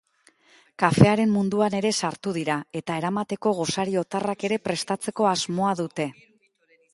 Kafearen munduan ere sartu dira eta eramateko gosari otarrak ere prestatzeko asmoa dute.